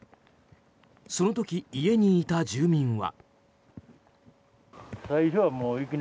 その時、家にいた住民は。